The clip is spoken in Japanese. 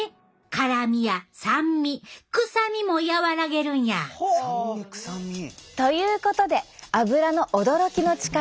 辛みや酸味臭みも和らげるんや！ということでアブラの驚きの力。